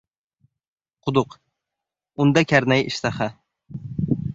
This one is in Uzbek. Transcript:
Quduq. Unda karnay ishtaha.